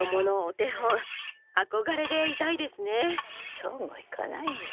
そうもいかないんです。